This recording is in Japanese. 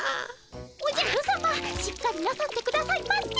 おじゃるさましっかりなさってくださいませ。